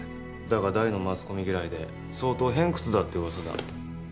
だが大のマスコミ嫌いで相当偏屈だってうわさだ。